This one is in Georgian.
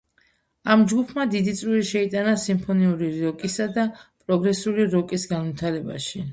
ამ ჯგუფმა დიდი წვლილი შეიტანა სიმფონიური როკისა და პროგრესული როკის განვითარებაში.